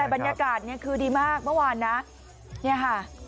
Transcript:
แต่บรรยากาศเนี่ยคือดีมากบางวันนะเงี่ยฮะ